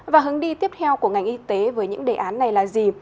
và hướng đi tiếp theo của ngành y tế với những đề án này là gì